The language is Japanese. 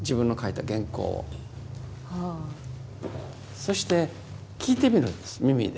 そして聞いてみるんです耳で。